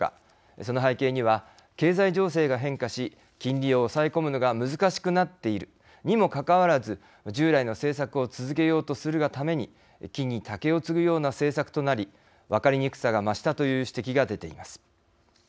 その背景には、経済情勢が変化し金利を抑え込むのが難しくなっているにもかかわらず、従来の政策を続けようとするがために木に竹を接ぐような政策となり分かりにくさが増したという指摘が出ています。